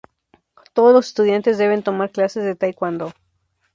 Todos los estudiantes deben tomar clases de taekwondo.